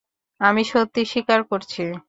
আমি সত্যি স্বীকার করছি।